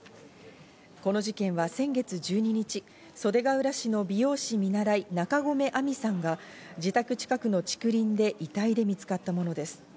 この事件は先月１２日、袖ケ浦市の美容師見習い・中込愛美さんが自宅近くの竹林で遺体で見つかったものです。